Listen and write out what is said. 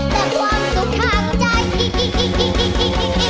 แต่ความสุขหักใจอิอิอิอิอิอิอิ